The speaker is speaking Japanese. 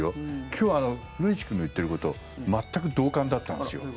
今日、古市君が言ってること全く同感だったんですよ。